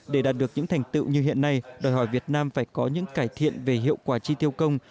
để đạt được những thành tựu như hiện nay đòi hỏi việt nam phải có những cải thiện về hiệu quả chi tiêu công